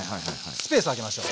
スペースを空けましょう。